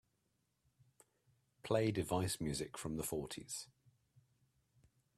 Play Device music from the fourties.